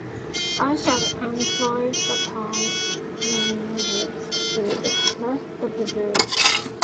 I shall employ the term meningitis to express the disease